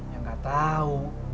ya nggak tahu